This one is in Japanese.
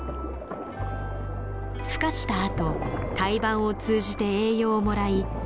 ふ化したあと胎盤を通じて栄養をもらい